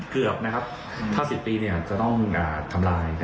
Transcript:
เกือบนะครับถ้า๑๐ปีจะต้องทำลาย